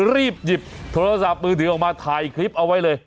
รีบหยิบโทรศัพท์มือถือออกมาถ่ายคลิปเอาไว้เลย